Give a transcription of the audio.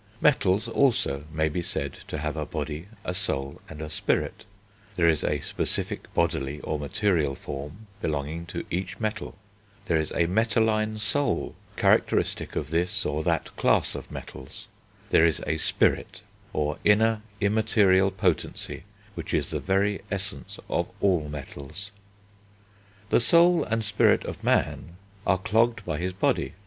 Metals also may be said to have a body, a soul, and a spirit; there is a specific bodily, or material, form belonging to each metal; there is a metalline soul characteristic of this or that class of metals; there is a spirit, or inner immaterial potency, which is the very essence of all metals. The soul and spirit of man are clogged by his body.